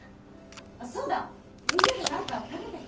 そうだみんなで何か食べてく？